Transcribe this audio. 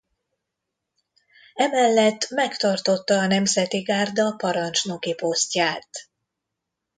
Emellett megtartotta a Nemzeti Gárda parancsnoki posztját.